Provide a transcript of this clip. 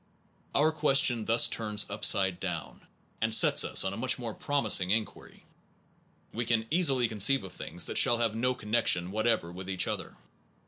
Our question thus turns upside down, and sets us on a much more promising inquiry. We can easily conceive of things that shall have no connection whatever with each other.